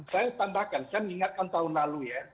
saya tambahkan saya mengingatkan tahun lalu ya